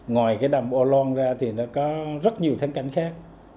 ngoài cái đầm âu loan ra thì nó có rất nhiều thắng cảnh khác